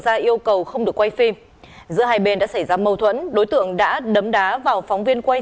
ra yêu cầu không được quay phim giữa hai bên đã xảy ra mâu thuẫn đối tượng đã đấm đá vào phóng viên quay